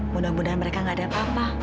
mudah mudahan mereka gak ada apa apa